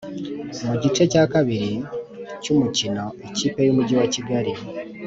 mu gice cya kabiri cy’umukino ikipe y’umujyi wa kigali